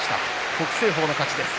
北青鵬の勝ちです。